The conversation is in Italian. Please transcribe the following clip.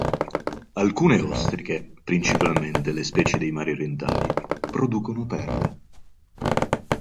Alcune ostriche, principalmente le specie dei mari orientali, producono perle.